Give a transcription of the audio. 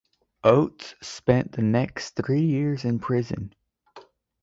Oates spent the next three years in prison.